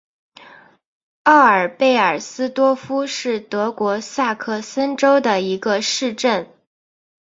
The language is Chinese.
奥尔贝尔斯多夫是德国萨克森州的一个市镇。